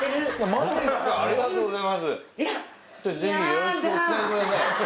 ぜひよろしくお伝えください。